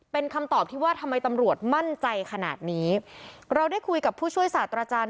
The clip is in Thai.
เป็นคำตอบที่ว่าทำไมตำรวจมั่นใจขนาดนี้เราได้คุยกับผู้ช่วยศาสตราจารย์